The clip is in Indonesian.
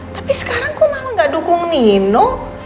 tapi sekarang kok malah gak dukung nino